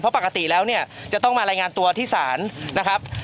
เพราะปกติแล้วเนี่ยจะต้องมารายงานตัวที่ศาลนะครับ